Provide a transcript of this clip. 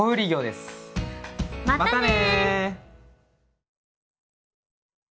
またね。